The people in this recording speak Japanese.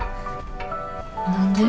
何で？